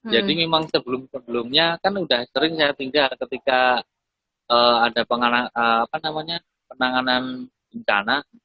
jadi memang sebelum sebelumnya kan udah sering saya tinggal ketika ada penanganan bencana